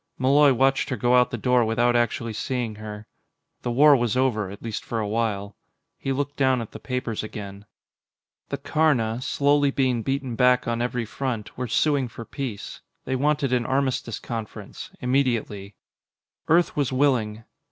Malloy watched her go out the door without actually seeing her. The war was over at least for a while. He looked down at the papers again. The Karna, slowly being beaten back on every front, were suing for peace. They wanted an armistice conference immediately. Earth was willing.